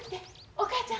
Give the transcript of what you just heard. お母ちゃん。